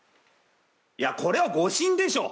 いやこれは誤審でしょう！